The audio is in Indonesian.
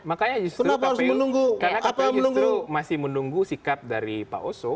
makanya justru kpu masih menunggu sikat dari pak osu